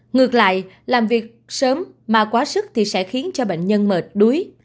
ngược lại làm việc sớm mà quá sức thì sẽ khiến cho bệnh nhân mệt đuối